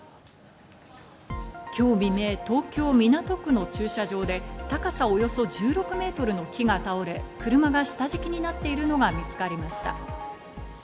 今日未明、東京・港区の駐車場で、高さおよそ１６ｍの木が倒れ、車が下敷きになっているのが見つかりました。